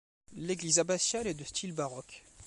L'église abbatiale est de style baroque.